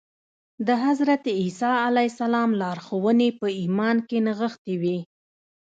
د حضرت عيسی عليه السلام لارښوونې په ايمان کې نغښتې وې.